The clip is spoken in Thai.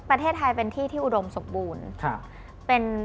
ประเทศไทยเป็นที่ที่อุดมสมบูรณ์